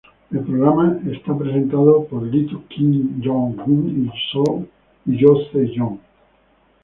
El programa es presentado por Leeteuk, Kim Jong-kook y Yoo Se-yoon.